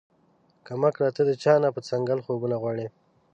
کم عقله تۀ د چا نه پۀ څنګل خوبونه غواړې